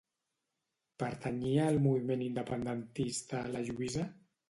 Pertanyia al moviment independentista la Lluïsa?